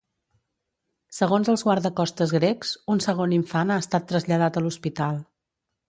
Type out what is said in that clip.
Segons els guardacostes grecs, un segon infant ha estat traslladat a l’hospital.